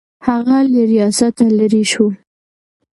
هغه له ریاسته لیرې شو.